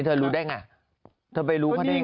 เธอรู้ได้ไง